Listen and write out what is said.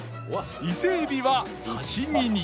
伊勢エビは刺身に